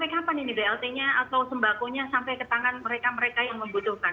kapan ini blt nya atau sembakonya sampai ke tangan mereka mereka yang membutuhkan